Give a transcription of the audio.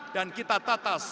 dan kita tata selamat